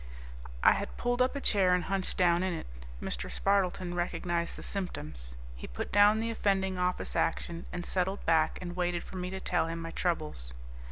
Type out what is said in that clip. I had pulled up a chair and hunched down in it. Mr. Spardleton recognized the symptoms. He put down the offending Office Action and settled back and waited for me to tell him my troubles.